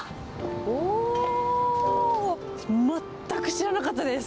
おー、全く知らなかったです。